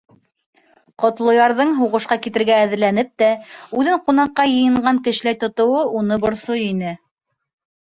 Ҡотлоярҙың, һуғышҡа китергә әҙерләнеп тә, үҙен ҡунаҡҡа йыйынған кешеләй тотоуы уны борсой ине.